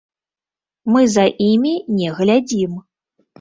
Мы за імі не глядзім.